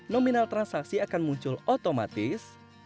nominal transaksi akan muncul otomatis